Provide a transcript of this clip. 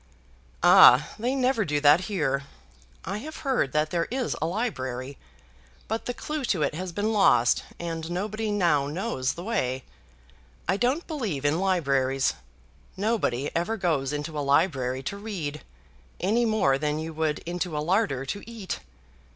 "Ah; they never do that here. I have heard that there is a library, but the clue to it has been lost, and nobody now knows the way. I don't believe in libraries. Nobody ever goes into a library to read, any more than you would into a larder to eat.